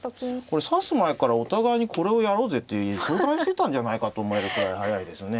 これ指す前からお互いにこれをやろうぜって相談してたんじゃないかと思えるくらい速いですね。